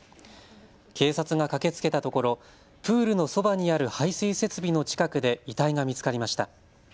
警察が駆けつけたところプールのそばにある排水設備の近くで遺体が見つかりました。